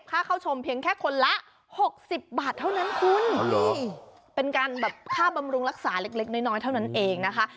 แบบค่าบำรุงรักษาเล็กน้อยเท่านั้นเองนะคะ